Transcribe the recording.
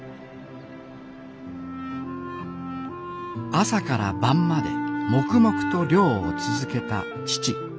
朝から晩まで黙々と漁を続けた父。